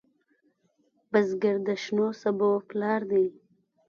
بزګر د شنو سبو پلار دی